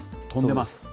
飛んでます。